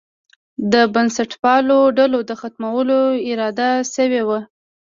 د بنسټپالو ډلو د ختمولو اراده شوې وه.